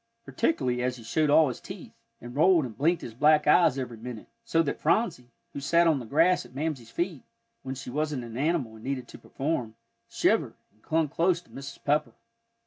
Particularly as he showed all his teeth, and rolled and blinked his black eyes every minute, so that Phronsie, who sat on the grass at Mamsie's feet, when she wasn't an animal and needed to perform, shivered, and clung close to Mrs. Pepper.